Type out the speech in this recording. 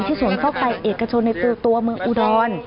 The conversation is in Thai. ที่สวนฟอกไปเอกชนในตัวเมืองอุดร